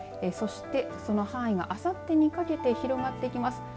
そして、その範囲があさってにかけて広がっていきます。